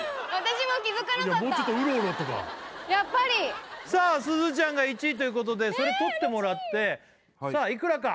もうちょっとウロウロとかやっぱりすずちゃんが１位ということでそれ取ってもらってさあいくらか？